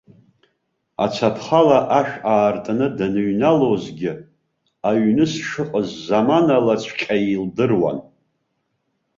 Ацаԥхала ашә аартны даныҩналозгьы, аҩны сшыҟаз заманалаҵәҟьа илдыруан.